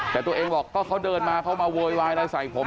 แต่ตัวเองบอกก็เขาเดินมาเขามาโวยวายอะไรใส่ผม